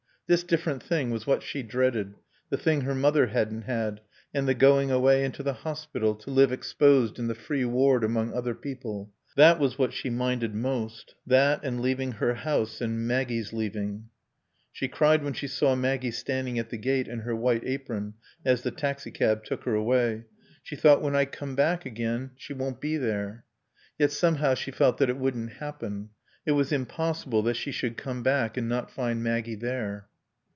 This different thing was what she dreaded, the thing her mother hadn't had, and the going away into the hospital, to live exposed in the free ward among other people. That was what she minded most. That and leaving her house, and Maggie's leaving. She cried when she saw Maggie standing at the gate in her white apron as the taxicab took her away. She thought, "When I come back again she won't be there." Yet somehow she felt that it wouldn't happen; it was impossible that she should come back and not find Maggie there.